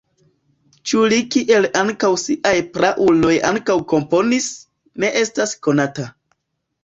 Ĉu li kiel ankaŭ siaj prauloj ankaŭ komponis, ne estas konata.